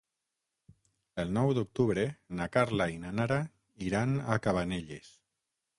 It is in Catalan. El nou d'octubre na Carla i na Nara iran a Cabanelles.